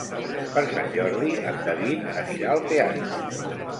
Per Sant Jordi en David anirà al teatre.